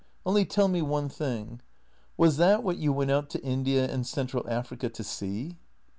" Only tell me one thing. Was that what you went out to India and Central Africa to see